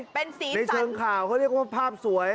เป็นสีสึนในเชิงข่าวเขาเดี๋ยวพอภาพสวย